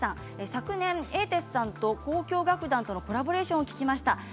昨年英哲さんと交響楽団とのコラボレーションを聴きました